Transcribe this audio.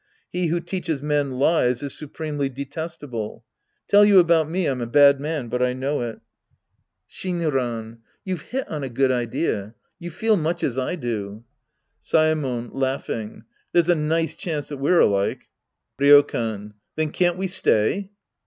He who teaches men lies is supremely detestable. Tell you about me, I'm a bad man, but I know it. 30 The Priest and His Disciples Act I Shinran. You've hit on a good idea. You feel much as I do. Saemon {Laughing). There's a nice chance that we're alike. Ryokan. Then can't we stay